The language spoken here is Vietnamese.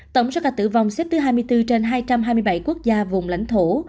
tổng số ca tử vong xếp thứ hai mươi bốn trên hai trăm hai mươi bảy quốc gia vùng lãnh thổ